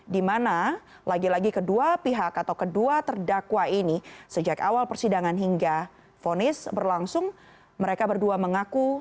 dimana lagi lagi kedua pihak atau kedua terdakwa ini sejak awal persidangan hingga fonis berlangsung mereka berdua mengaku